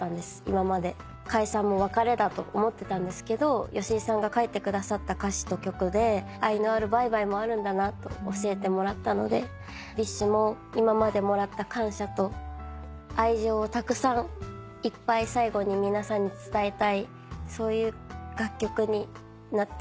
解散も別れだと思ってたんですけど吉井さんが書いてくださった歌詞と曲で愛のあるバイバイもあるんだなと教えてもらったのでＢｉＳＨも今までもらった感謝と愛情をたくさんいっぱい最後に皆さんに伝えたいそういう楽曲になっております。